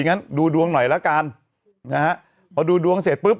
งั้นดูดวงหน่อยละกันนะฮะพอดูดวงเสร็จปุ๊บ